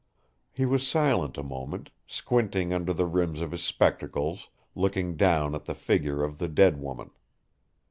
He was silent a moment, squinting under the rims of his spectacles, looking down at the figure of the dead woman.